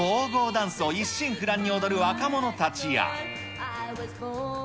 ダンスを一心不乱に踊る若者たちや。